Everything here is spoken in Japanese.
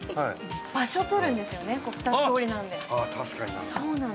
場所取るんですよね、２つ折りなんで。